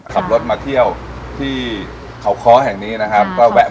ขับรถมาเที่ยวที่ข่าวค้อแห่งนี้นะครับ